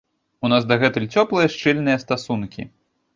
У нас дагэтуль цёплыя, шчыльныя стасункі.